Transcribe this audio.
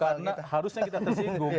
karena harusnya kita tersinggung